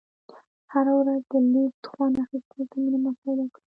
هره ورځ د لیږ خوند اخېستو زمینه مساعده کړه.